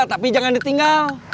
tapi jangan ditinggal